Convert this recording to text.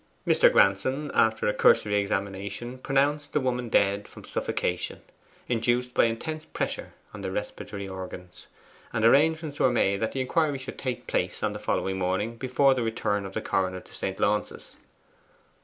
Mr. Granson, after a cursory examination, pronounced the woman dead from suffocation, induced by intense pressure on the respiratory organs; and arrangements were made that the inquiry should take place on the following morning, before the return of the coroner to St. Launce's.